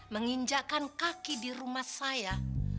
menginjakkan kaki di rumah saya